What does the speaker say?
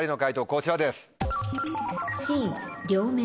こちらです。